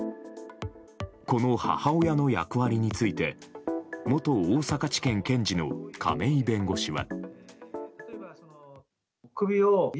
この母親の役割について元大阪地検検事の亀井弁護士は。